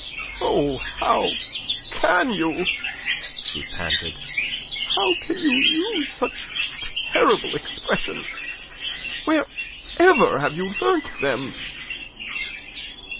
"Oh, how can you?" she panted. "How can you make use of such terrible expressions? Wherever have you learnt them?"